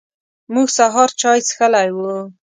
موږ سهار چای څښلی و.